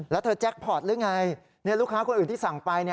แล้วเธอแจ็คพอร์ตหรือไงลูกค้าคนอื่นที่สั่งไป